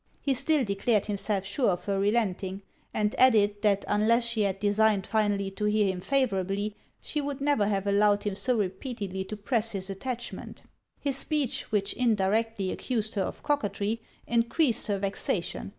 He still declared himself sure of her relenting; and added, that unless she had designed finally to hear him favourably she would never have allowed him so repeatedly to press his attachment. This speech, which indirectly accused her of coquetry, encreased her vexation.